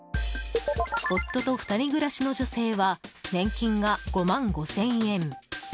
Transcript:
夫と２人暮らしの女性は年金が５万５０００円。